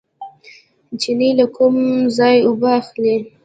چینې له کوم ځای اوبه اخلي؟